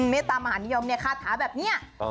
เมตตามหานิยมเนี่ยคาถาแบบนี้